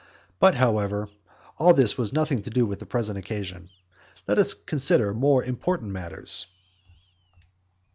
But, however, all this has nothing to do with the present occasion. Let us consider more important matters.